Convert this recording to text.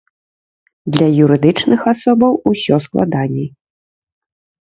Для юрыдычных асобаў усё складаней.